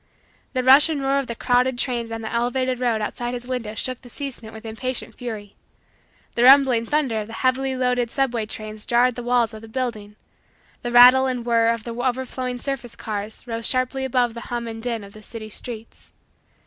The rush and roar of the crowded trains on the elevated road outside his window shook the casement with impatient fury. The rumbling thunder of the heavily loaded subway trains jarred the walls of the building. The rattle and whirr of the overflowing surface cars rose sharply above the hum and din of the city streets.